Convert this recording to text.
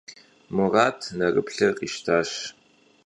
Мурат нэрыплъэр къищтащ.